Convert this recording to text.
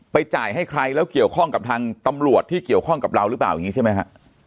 จ่ายให้ใครแล้วเกี่ยวข้องกับทางตำรวจที่เกี่ยวข้องกับเราหรือเปล่าอย่างนี้ใช่ไหมฮะ